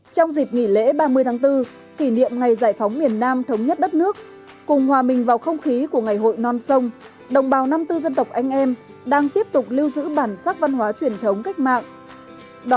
trong dịp nghỉ lễ ba mươi tháng bốn kỷ niệm ngày giải phóng miền nam thống nhất đất nước cùng hòa mình vào không khí của ngày hội non sông đồng bào năm mươi bốn dân tộc anh em đang tiếp tục lưu giữ bản sắc văn hóa truyền thống cách mạng